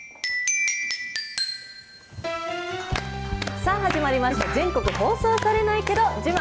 さあ、始まりました、全国放送されないけど自慢。